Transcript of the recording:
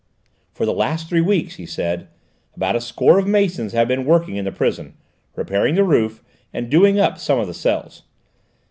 "For the last three weeks," he said, "about a score of masons have been working in the prison, repairing the roof and doing up some of the cells.